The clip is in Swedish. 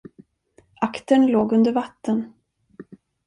Aktern låg under vatten.